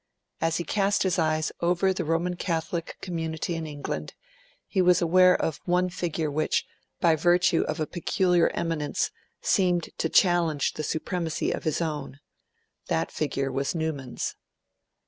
As he cast his eyes over the Roman Catholic community in England, he was aware of one figure which, by virtue of a peculiar eminence, seemed to challenge the supremacy of his own. That figure was Newman's.